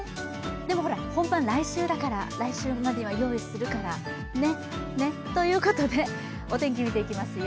でも本番は来週だから、来週までに用意するから。ということで、お天気見ていきますよ。